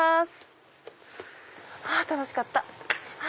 あ楽しかった！